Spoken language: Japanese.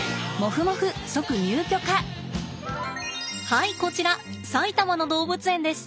はいこちら埼玉の動物園です。